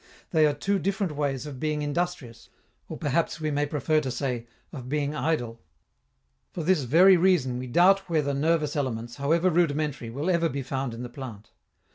They are two different ways of being industrious, or perhaps we may prefer to say, of being idle. For this very reason we doubt whether nervous elements, however rudimentary, will ever be found in the plant.